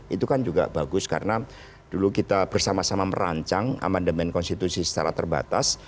itu kan juga bagus karena dulu kita bersama sama merancang amandemen konstitusi secara terbatas